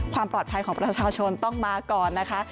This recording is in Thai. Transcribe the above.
ความปลอดภัยของประชาชนต้องมาก่อนนะคะ